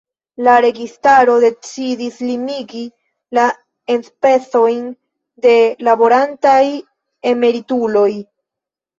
La registaro decidis limigi la enspezojn de laborantaj emerituloj.